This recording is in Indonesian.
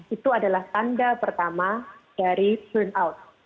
itu adalah tanda pertama dari burnout